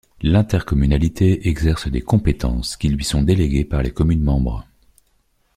L'intercommunalité exerce des compétences qui lui sont déléguées par les communes membres.